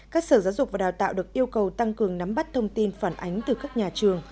các sở giáo dục và đào tạo được yêu cầu tăng cường nắm bắt thông tin phản ánh từ các nhà trường